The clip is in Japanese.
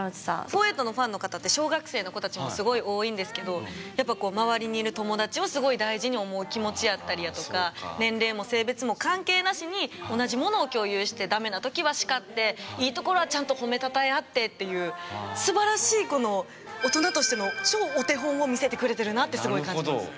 フォーエイト４８のファンの方って小学生の子たちもすごい多いんですけどやっぱ周りにいる友達をすごい大事に思う気持ちやったりやとか年齢も性別も関係なしに同じものを共有してダメな時は叱っていいところはちゃんと褒めたたえ合ってっていうすばらしいこの大人としての超お手本を見せてくれてるなってすごい感じます。